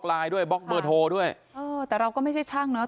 บล็อกไลน์ด้วยบล็อกบ็อสโทรด้วยแต่เราก็ไม่ใช่ช่างเนาะ